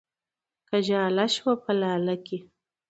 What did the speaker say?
که ژاله شوه په لاله کې